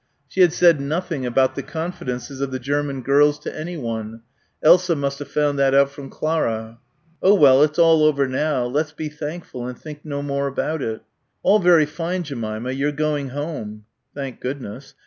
She had said nothing about the confidences of the German girls to anyone. Elsa must have found that out from Clara. "Oh, well it's all over now. Let's be thankful and think no more about it." "All very fine, Jemima. You're going home." "Thank goodness."